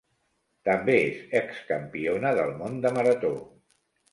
També és ex-campiona del món de marató.